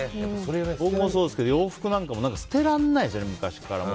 僕もそうですけど洋服とか捨てられないんですよね。